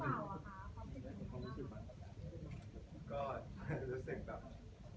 อย่างความรู้สึกก็เปล่าความรู้สึกก็เปล่า